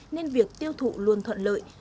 nên việc tiêu thụ luôn thuận lợi